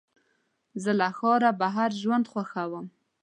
زه له ښاره بهر ژوند خوښوم.